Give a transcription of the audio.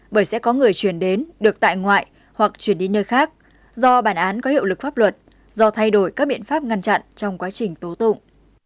bởi sẽ có người chuyển đến được tại ngoại hoặc chuyển đi nơi khác do bản án có hiệu lực pháp luật do thay đổi các biện pháp ngăn chặn trong quá trình tố tụng